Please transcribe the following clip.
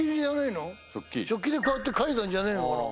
食器でこうやってかいたんじゃねえのかな？